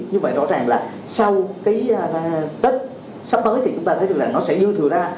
như vậy rõ ràng là sau cái tết sắp tới thì chúng ta thấy được là nó sẽ dư thừa ra